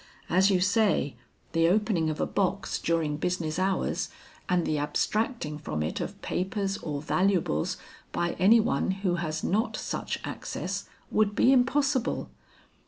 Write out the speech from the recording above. As you say, the opening of a box during business hours and the abstracting from it of papers or valuables by any one who has not such access, would be impossible.